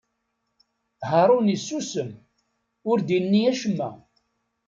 Haṛun issusem, ur d-inni acemma.